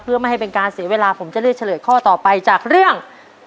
เพื่อไม่ให้เป็นการเสียเวลาผมจะเลือกเฉลยข้อต่อไปจากเรื่อง